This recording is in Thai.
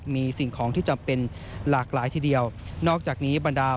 มีสิ่งของที่จำเป็นหลากหลายทีเดียวนอกจากนี้บรรดา